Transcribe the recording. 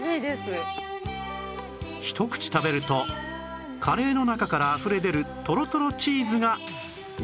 ひと口食べるとカレーの中からあふれ出るとろとろチーズが人気の秘密